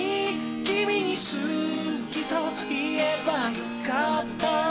君に好きと言えばよかった